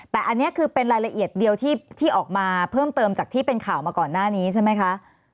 แต่อันนี้คือเป็นรายละเอียดเดียวที่ออกมาเพิ่มเติมจากที่เป็นข่าวมาก่อนหน้านี้ใช่ไหมคะ